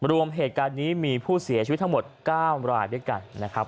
รวมเหตุการณ์นี้มีผู้เสียชีวิตทั้งหมด๙รายด้วยกันนะครับ